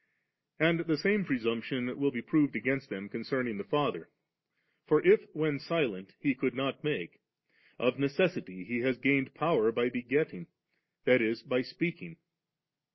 13. And the same presumption will be proved against them concerning the Father; for i^ when silent, He could not make, of necessity He has gained power by begetting, that is, by speaking.